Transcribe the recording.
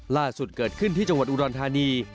ล่าสุดเกิดขึ้นที่จังหวัดอุดรธานี